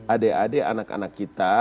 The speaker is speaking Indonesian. adik adik anak anak kita